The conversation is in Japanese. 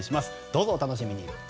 どうぞお楽しみに。